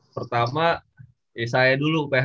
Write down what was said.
pertama ysy dulu uph